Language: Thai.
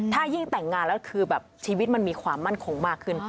ถ้ายิ่งแต่งงานแล้วคือแบบชีวิตมันมีความมั่นคงมากขึ้น